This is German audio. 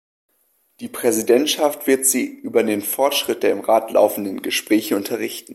Die Präsidentschaft wird Sie über den Fortschritt der im Rat laufenden Gespräche unterrichten.